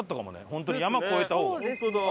本当に山越えた方が。